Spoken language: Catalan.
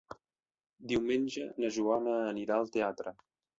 Diumenge na Joana anirà al teatre.